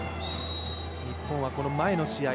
日本はこの前の試合